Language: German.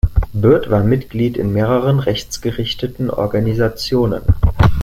Bird war Mitglied in mehreren rechtsgerichteten Organisationen.